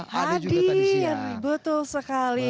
hadir betul sekali